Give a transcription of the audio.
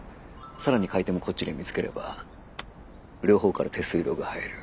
更に買い手もこっちで見つければ両方から手数料が入る。